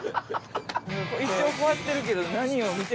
一応こうやってるけど何を見て。